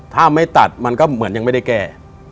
ถ้าไม่ตัดมันก็เหมือนยังไม่ได้แก้